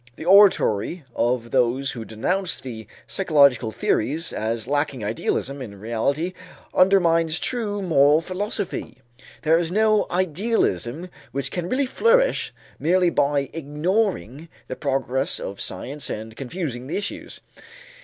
The oratory of those who denounce the physiological theories as lacking idealism in reality undermines true moral philosophy. There is no idealism which can really flourish merely by ignoring the progress of science and confusing the issues.